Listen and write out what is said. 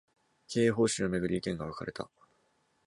経営方針を巡り、意見が分かれた